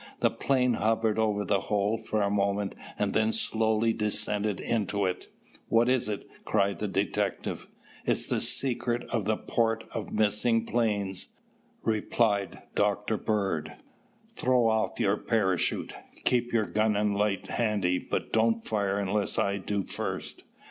The plane hovered over the hole for a moment and then slowly descended into it. "What is it?" cried the detective. "It's the secret of the Port of Missing Planes," replied Dr. Bird. "Throw off your parachute. Keep your gun and light handy but don't fire unless I do first.